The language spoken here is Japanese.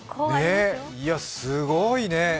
いや、すごいねぇ。